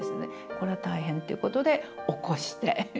これは大変っていう事で起こして。